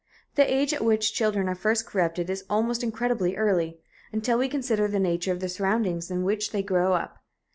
The age at which children are first corrupted is almost incredibly early, until we consider the nature of the surroundings in which they grow up.